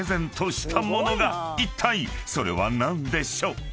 ［いったいそれは何でしょう？］